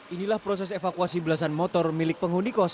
inilah proses evakuasi belasan motor milik penghuni kos